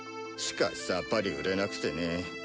しかしさっぱり売れなくてね。